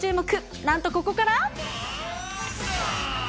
なんとここから。